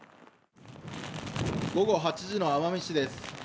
午後８時の奄美市です。